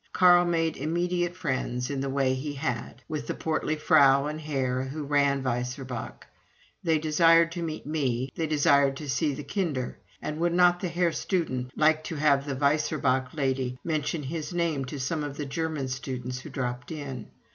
Carl made immediate friends, in the way he had, with the portly Frau and Herr who ran the Weiser Boch: they desired to meet me, they desired to see the Kinder, and would not the Herr Student like to have the Weiser Boch lady mention his name to some of the German students who dropped in?